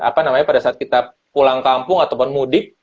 apa namanya pada saat kita pulang kampung ataupun mudik